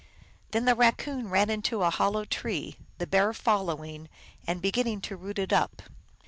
Then the Kaccoon ran into a hollow tree, the Bear following, and beginning to root it up.